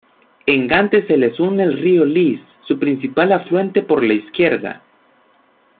En Gante se le une el río Lys, su principal afluente por la izquierda.